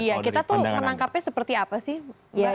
iya kita tuh menangkapnya seperti apa sih